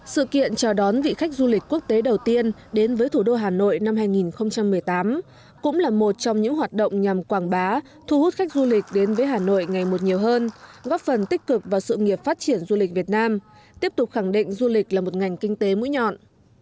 sự kiện chào đón vị khách du lịch quốc tế đầu tiên đến với thủ đô hà nội năm hai nghìn một mươi tám cũng là một trong những hoạt động nhằm quảng bá thu hút khách du lịch đến với hà nội ngày một nhiều hơn góp phần tích cực vào sự nghiệp phát triển du lịch việt nam tiếp tục khẳng định du lịch là một ngành kinh tế mũi nhọn